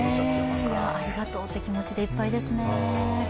へえ、ありがとうって気持ちでいっぱいですね。